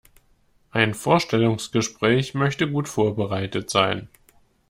Ein Vorstellungsgespräch möchte gut vorbereitet sein.